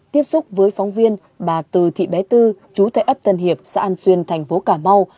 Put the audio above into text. tiếp xúc với phóng viên bà từ thị bé tư chú tại ấp tân hiệp xã an xuyên thành phố cà mau